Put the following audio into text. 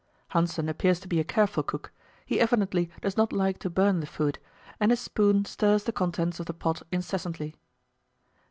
Hanssen appears to be a careful cook; he evidently does not like to burn the food, and his spoon stirs the contents of the pot incessantly.